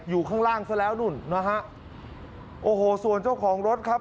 อยู่ข้างล่างซะแล้วนู่นนะฮะโอ้โหส่วนเจ้าของรถครับ